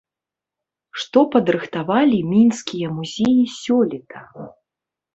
Што падрыхтавалі мінскія музеі сёлета?